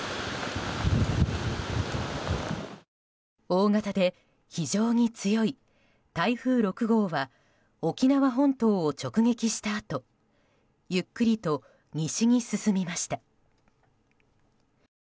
大型で非常に強い台風６号は沖縄本島を直撃したあとゆっくりと西に進みました。